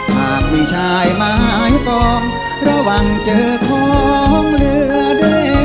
หากมีชายไม้ฟองระวังเจอท้องเหลือเด้อ